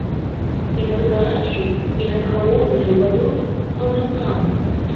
І над гарачаю і над халоднаю вадою раўнапраўны.